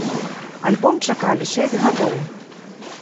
Альбом чакалі шэсць гадоў.